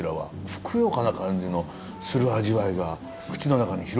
ふくよかな感じのする味わいが口の中に広がってまいります。